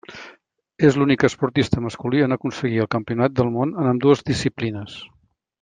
És l'únic esportista masculí en aconseguir el campionat del món en ambdues disciplines.